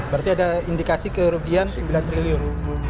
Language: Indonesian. berarti ada indikasi kerugian sembilan triliun